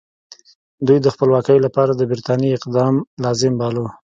دوی د خپلواکۍ لپاره د برټانیې اقدام لازم باله.